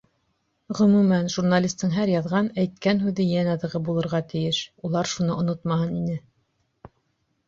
Ғөмүмән, журналистың һәр яҙған, әйткән һүҙе йән аҙығы булырға тейеш: улар шуны онотмаһын ине!